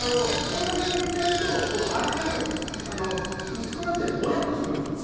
そんだけ入れちゃうと味がね薄くなってぼやっとするんですよ。